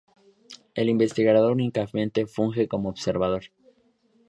El investigador únicamente funge como observador.